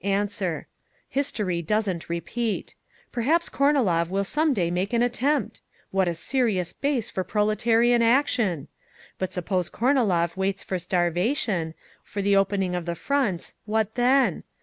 "Answer: History doesn't repeat. 'Perhaps Kornilov will some day make an attempt!' What a serious base for proletarian action! But suppose Kornilov waits for starvation, for the opening of the fronts, what then?